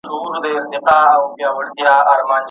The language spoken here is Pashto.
ما له پلاره اورېدلي په کتاب کي مي لیدلي